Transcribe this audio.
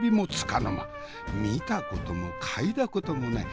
見たことも嗅いだこともない